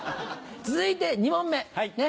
続いて２問目。